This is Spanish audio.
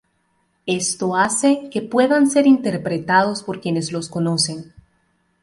Esto hace que puedan ser interpretados por quienes los conocen.